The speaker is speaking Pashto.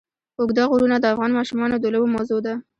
اوږده غرونه د افغان ماشومانو د لوبو موضوع ده.